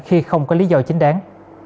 khi không có lý do chính đáng